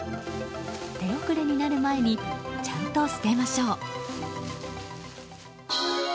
手遅れになる前にちゃんと捨てましょう。